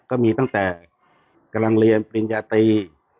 ก็มีตั้งแต่กำลังเรียนปริญญาตรี